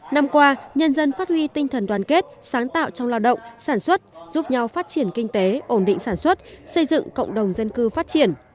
năm qua nhân dân phát huy tinh thần đoàn kết sáng tạo trong lao động sản xuất giúp nhau phát triển kinh tế ổn định sản xuất xây dựng cộng đồng dân cư phát triển